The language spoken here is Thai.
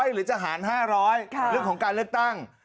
หรือจะหาร๕๐๐เรื่องของการเลือกตั้ง